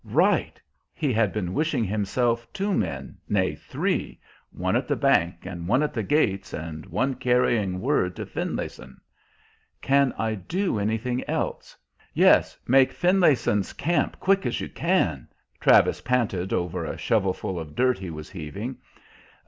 Right! He had been wishing himself two men, nay, three: one at the bank, and one at the gates, and one carrying word to Finlayson. "Can I do anything else?" "Yes; make Finlayson's camp quick as you can," Travis panted over a shovelful of dirt he was heaving.